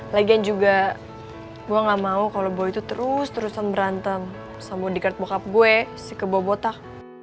lagian juga gue gak mau kalau boy tuh terus terusan berantem sama mudikaret bokap gue si kebobotak